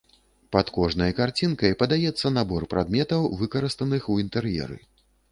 Пад кожнай карцінкай падаецца набор прадметаў, выкарыстаных у інтэр'еры.